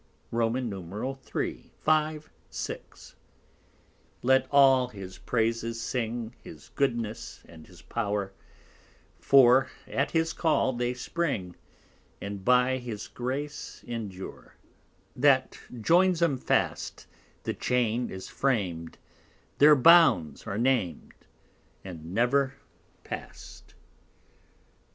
_ III. 5, 6 _Let all his Praises sing, His Goodness and his Power, For at his Call they spring, And by his Grace endure; That joins 'em fast, The Chain is fram'd, Their Bounds are nam'd, And never past.